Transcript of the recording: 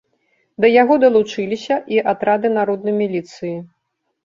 Да яго далучыліся і атрады народнай міліцыі.